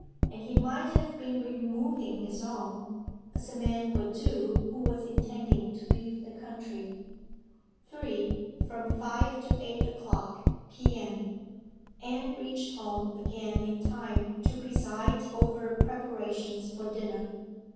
And he might have been removing his own, as a man would do who was intending to leave the country. 3. FROM FIVE TO EIGHT O'CLOCK P.M. Anne reached home again in time to preside over preparations for dinner.